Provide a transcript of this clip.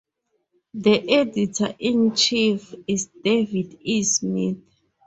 The editor-in-chief is David E. Smith.